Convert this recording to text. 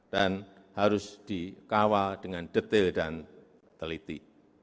dan harus dikawal dengan detail dan teliti